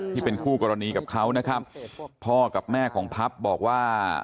ที่เป็นคู่กรณีกับเขานะครับพ่อกับแม่ของพับบอกว่า